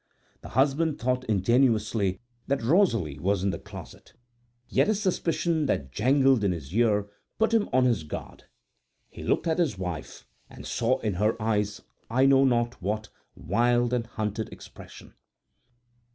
The husband thought ingenuously that Rosalie was in the closet, yet a suspicion that jangled in his ear put him on his guard. He looked at his wife and saw in her eyes I know not what wild and hunted expression.